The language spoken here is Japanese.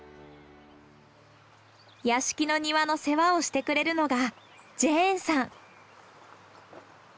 屋敷の庭の世話をしてくれるのがジェーンさん。